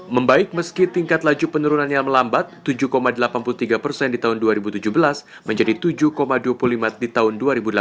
membaik meski tingkat laju penurunannya melambat tujuh delapan puluh tiga persen di tahun dua ribu tujuh belas menjadi tujuh dua puluh lima di tahun dua ribu delapan belas